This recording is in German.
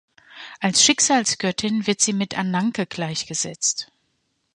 Als Schicksalsgöttin wird sie mit Ananke gleichgesetzt.